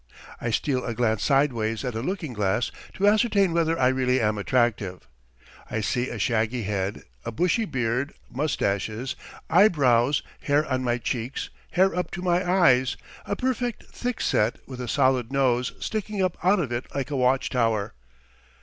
I steal a glance sideways at a looking glass to ascertain whether I really am attractive. I see a shaggy head, a bushy beard, moustaches, eyebrows, hair on my cheeks, hair up to my eyes, a perfect thicket with a solid nose sticking up out of it like a watch tower.